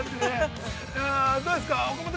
◆どうですか。